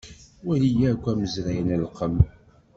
Wali akk amazray n lqem.